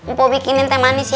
mpobikinin teh manis ya